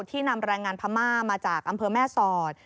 นำแรงงานพม่ามาจากอำเภอแม่สอด